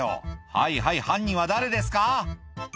はいはい犯人は誰ですか？